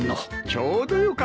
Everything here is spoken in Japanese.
ちょうどよかった。